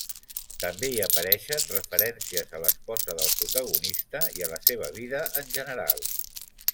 També hi apareixen referències a l'esposa del protagonista i a la seva vida en general.